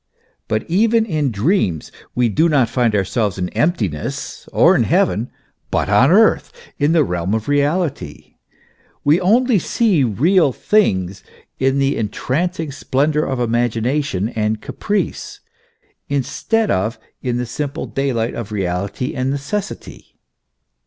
But even in dreams we do not find ourselves in emptiness or in heaven, but on earth, in the realm of reality ; we only see real things in the entrancing splendour of imagination and caprice, instead of in the simple daylight of reality and necessity.